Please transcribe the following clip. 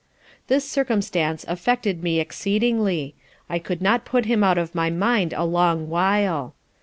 This circumstance affected me exceedingly, I could not put him out of my mind a long while.